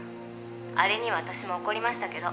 「あれには私も怒りましたけど」